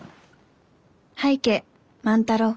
「拝啓万太郎。